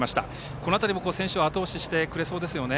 この辺りも選手をあと押ししてくれそうですね。